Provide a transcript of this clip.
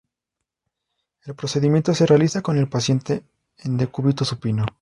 El procedimiento se realiza con el paciente en decúbito supino.